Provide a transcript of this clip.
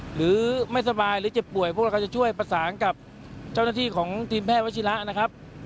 หรือไม่สบายหรือเจ็บป่วยพวกเราก็จะช่วยประสานกับเจ้าหน้าที่ของทีมแพทย์วัชิระนะครับ